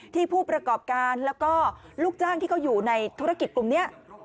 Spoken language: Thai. ผู้ประกอบการแล้วก็ลูกจ้างที่เขาอยู่ในธุรกิจกลุ่มนี้